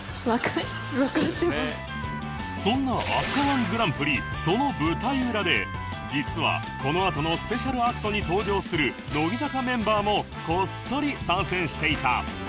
そんな飛鳥 −１ グランプリその舞台裏で実はこのあとのスペシャルアクトに登場する乃木坂メンバーもこっそり参戦していた